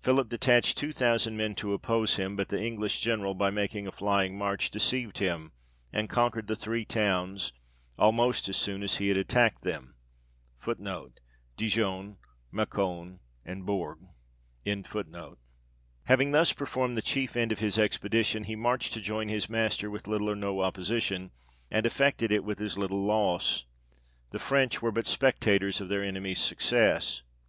Philip detached two thousand men to oppose him, but the English General, by making a flying march, deceived him, and conquered the three towns 1 almost as soon as he had attacked them : having thus performed the chief end of his expedition, he marched to join his master with little or no opposition ; and effected it with as little loss. The French were but spectators of their enemy's success.